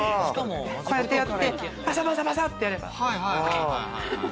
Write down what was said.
こうやってやってバサバサバサってやればＯＫ。